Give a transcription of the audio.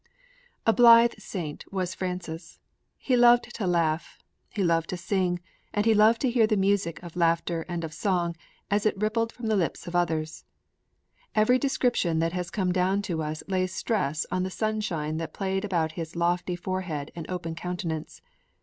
II A blithe saint was Francis. He loved to laugh; he loved to sing; and he loved to hear the music of laughter and of song as it rippled from the lips of others. Every description that has come down to us lays stress on the sunshine that played about his lofty forehead and open countenance.